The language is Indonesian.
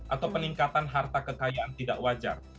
atau peningkatan harta kekayaan tidak wajar